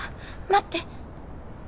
待って。